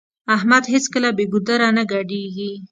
احمد هيڅکله بې ګودره نه ګډېږي.